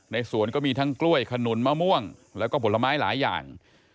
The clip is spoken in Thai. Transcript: สวนก็มีทั้งกล้วยขนุนมะม่วงแล้วก็ผลไม้หลายอย่าง